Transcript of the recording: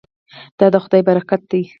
دا د خدای برکت دی.